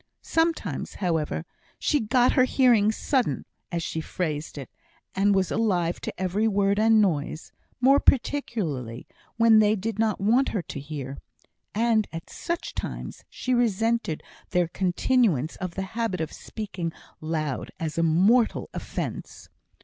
Sometimes, however, she "got her hearing sudden," as she phrased it, and was alive to every word and noise, more particularly when they did not want her to hear; and at such times she resented their continuance of the habit of speaking loud as a mortal offence.